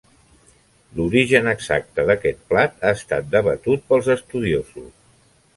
L'origen exacte d'aquest plat ha estat debatut pels estudiosos.